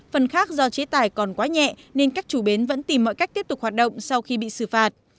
phần khác do chế tải còn quá nhẹ nên các chủ bến vẫn tìm mọi cách tiếp tục hoạt động sau khi bị xử phạt